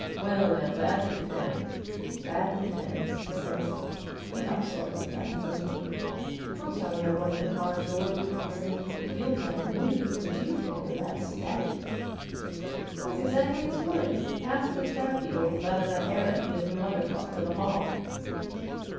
'Well, now, that depends that depends,' he says. He talks slow like that, you know. 'I'll tell you what time I want the car, George,' he says, 'if you'll tell ME what you think of this statue!' That's exactly his words! Asked the darky what he thought of that Arab Edith and mother bought for the hall!"